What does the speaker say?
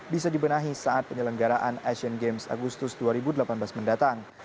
bisa dibenahi saat penyelenggaraan asian games agustus dua ribu delapan belas mendatang